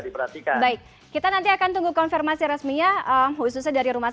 diperhatikan baik kita nanti akan tunggu konfirmasi resminya khususnya dari rumah